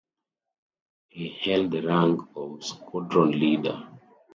He held the rank of Squadron Leader.